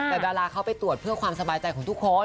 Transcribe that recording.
แต่ดาราเขาไปตรวจเพื่อความสบายใจของทุกคน